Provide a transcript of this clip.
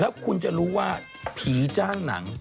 แล้วคุณจะรู้ว่าผีจ้างหนัง